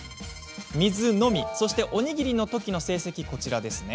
水のみ、そしておにぎりのときの成績がこちら。